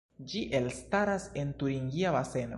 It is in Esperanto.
Ĝi elstaras el Turingia Baseno.